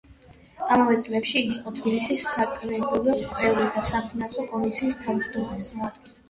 ამავე წლებში იგი იყო თბილისის საკრებულოს წევრი და საფინანსო კომისიის თავჯდომარის მოადგილე.